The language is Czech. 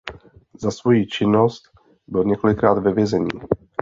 Za svoji činnost byl několikrát ve vězení.